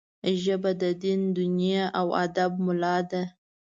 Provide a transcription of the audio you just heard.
ژبه د دین، دنیا او ادب ملا ده